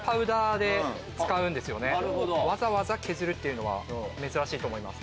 わざわざ削るっていうのは珍しいと思います。